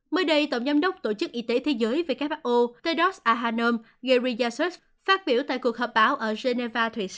mới đây tổng giám đốc tổ chức y tế thế giới who tedros ahanom geryashichus phát biểu tại cuộc họp báo ở geneva thụy sĩ